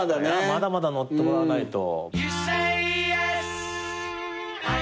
まだまだ乗ってもらわないと。